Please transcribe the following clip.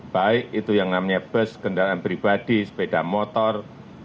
baik itu yang namanya bus kendaraan pribadi sepeda motor